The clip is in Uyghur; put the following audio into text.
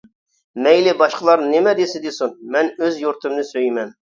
مەيلى باشقىلار نېمە دېسە دېسۇن، مەن ئۆز يۇرتۇمنى سۆيىمەن.